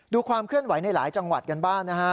ความเคลื่อนไหวในหลายจังหวัดกันบ้างนะฮะ